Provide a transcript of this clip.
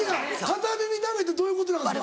片耳ダメってどういうことなんですか？